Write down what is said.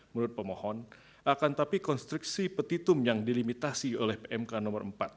menurut pemohon akan tapi konstruksi petitum yang dilimitasi oleh pmk nomor empat